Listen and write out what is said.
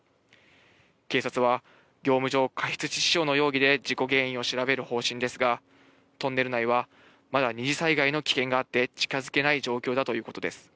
警察は業務上過失致死傷の容疑で事故原因を調べる方針ですが、トンネル内はまだ二次災害の危険があって近づけない状況だということです。